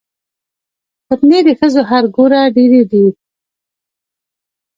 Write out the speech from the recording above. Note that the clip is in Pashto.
فتنې د ښځو هر ګوره ډېرې دي